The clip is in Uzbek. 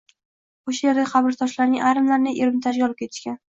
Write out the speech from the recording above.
O‘sha yerdagi qabrtoshlarning ayrimlarini Ermitajga olib ketishgan.